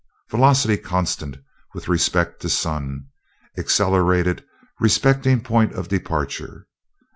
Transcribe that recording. Velocity constant with respect to sun, accelerated respecting point of departure.